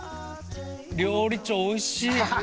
料理長おいしい！